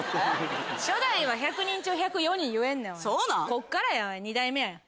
初代は１００人中１０４人言えるこっからやん２代目やん。